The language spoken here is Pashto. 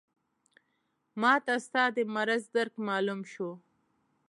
ماته ستا د مرض درک معلوم شو.